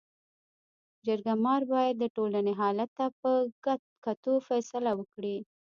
جرګه مار باید د ټولني حالت ته په کتو فيصله وکړي.